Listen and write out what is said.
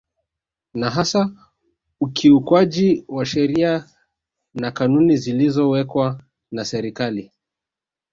Na hasa ukiukwaji wa sheria na kanuni zilizowekwa na Serikali